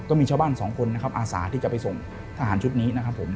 ก็มีชาวบ้านสองคนอาสาที่จะไปส่งทหารชุดนี้